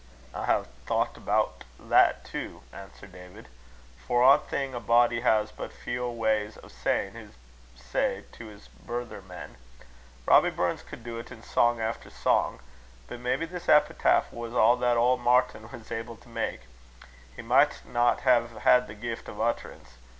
"I hae thocht aboot that too," answered David. "For ae thing, a body has but feow ways o' sayin' his say to his brithermen. Robbie Burns cud do't in sang efter sang; but maybe this epitaph was a' that auld Martin was able to mak'. He michtna hae had the gift o' utterance.